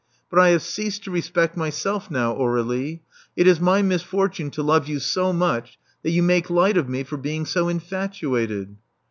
But I have ceased to respect myself now, Aurdlie. It is my mis fortune to love you so much that you make light of me for being so infatuated."